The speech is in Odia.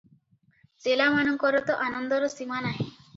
ଚେଲାମାନଙ୍କର ତ ଆନନ୍ଦର ସୀମା ନାହିଁ ।